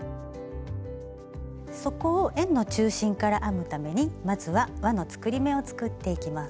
底を円の中心から編むためにまずはわの作り目を作っていきます。